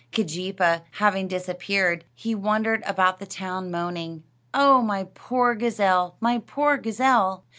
Keejeepaa having disappeared, he wandered about the town moaning, "Oh, my poor gazelle! my poor gazelle!"